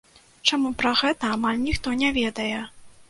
Чаму пра гэта амаль ніхто не ведае?